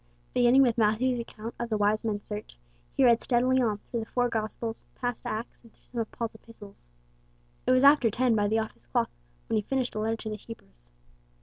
Beginning with Matthew's account of the wise men's search, he read steadily on through the four Gospels, past Acts, and through some of Paul's epistles. It was after ten by the office clock when he finished the letter to the Hebrews.